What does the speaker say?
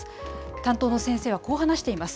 担当の先生はこう話しています。